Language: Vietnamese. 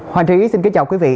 hòa trí xin kính chào quý vị